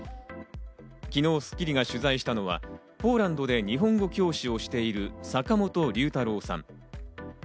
昨日『スッキリ』が取材したのはポーランドで日本語教師をしている坂本龍太朗さん。